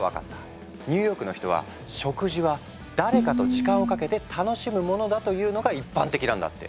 ニューヨークの人は食事は誰かと時間をかけて楽しむものだというのが一般的なんだって。